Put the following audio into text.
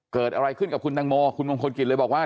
เกิดอะไรขึ้นกับคุณดังโมคุณวงค์คือคุณกินเลยบอกว่า